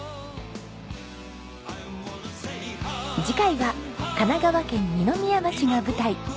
次回は神奈川県二宮町が舞台。